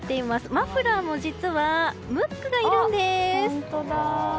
マフラーも実はムックがいるんです！